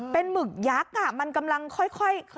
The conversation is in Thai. เป็นหมึกยักษ์มันกำลังค่อย